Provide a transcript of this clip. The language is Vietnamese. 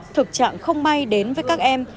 thực trạng không may đến với các em